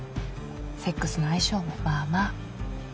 セックスの相性もまあまあ。